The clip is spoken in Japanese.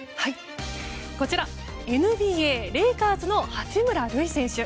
こちらＮＢＡレイカーズの八村塁選手。